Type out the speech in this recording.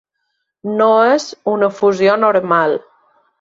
No és una fusió normal.